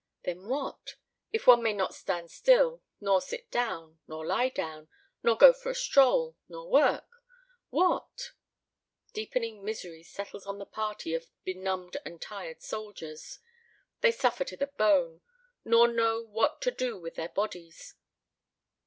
Then what? If one may not stand still, nor sit down, nor lie down, nor go for a stroll, nor work what? Deepening misery settles on the party of benumbed and tired soldiers. They suffer to the bone, nor know what to do with their bodies.